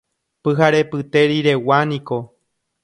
Pyharepyte riregua niko.